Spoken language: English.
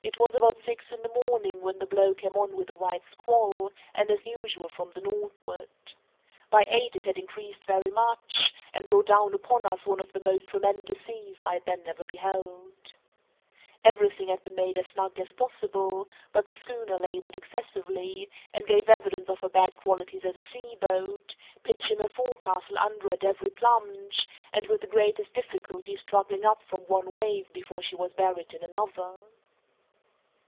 It was about six in the morning when the blow came on with a white squall, and, as usual, from the northward. By eight it had increased very much, and brought down upon us one of the most tremendous seas I had then ever beheld. Every thing had been made as snug as possible, but the schooner laboured excessively, and gave evidence of her bad qualities as a seaboat, pitching her forecastle under at every plunge and with the greatest difficulty struggling up from one wave before she was buried in another.